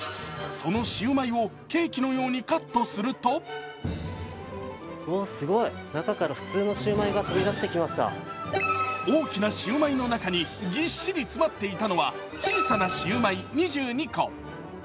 そのシウマイをケーキのようにカットするとおおっ、すごい！大きなシウマイの中にぎっしり詰まっていたのは小さなシウマイ２２個。